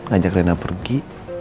ngajak reina pergi